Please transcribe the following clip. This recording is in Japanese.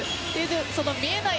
その見えない